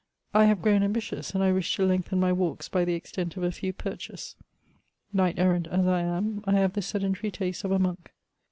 I have grown ambitious, and I wish to lengthen my walks by the extent of a few perches. Knight errant as I am, I have the sedentary tastes of a monk.